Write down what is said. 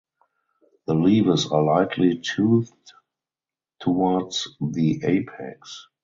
The leaves are lightly toothed towards the apex.